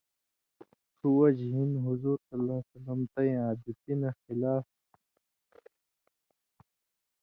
ݜُو وجہۡ ہِن حضورؐ تَیں عادتی نہ خِلاف